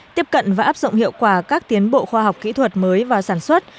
tiếp cận và áp dụng hiệu quả các tiến bộ khoa học kỹ thuật mới vào sản xuất